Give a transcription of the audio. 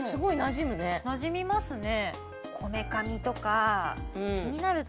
なじみますね。